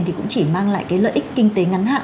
thì cũng chỉ mang lại cái lợi ích kinh tế ngắn hạn